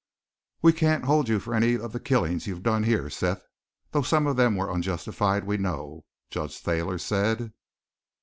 "We can't hold you for any of the killings you've done here, Seth, though some of them were unjustified, we know," Judge Thayer said.